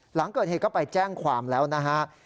หลังเกิดเหตุก็ไปแจ้งความแล้วนะฮะ